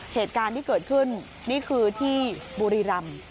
เหตุการณ์ที่เกิดขึ้นนี่คือที่บุรีรำ